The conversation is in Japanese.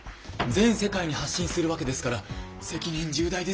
全世界に発信するわけですから責任重大ですよ。